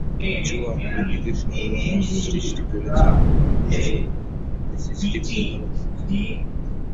জোয়া ঐ দিকে সর্বনাশ সৃষ্টি করেছে, আর তুমি হাসছো সে সিসিটিভিতে ধরা পড়েছে।